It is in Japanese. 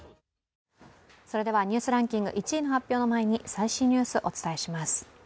ニュースランキング１位発表の前に最新ニュースをお伝えします。